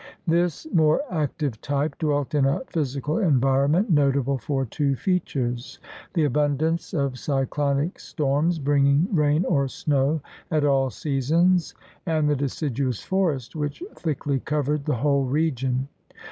This more active type dwelt in a physical environ^ ment notable for two features — the abundance of 120 THE RED MAN'S CONTINENT cyclonic storms bringing rain or snow at all seasons and the deciduous forest which thickly covered the whole region.